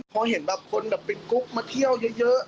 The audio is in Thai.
พอเห็นคนแบบเป็นกรุ๊ปมาเที่ยวเยอะ